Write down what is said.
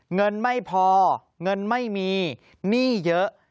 เงินไม่พอเงินไม่มีหนี้เยอะ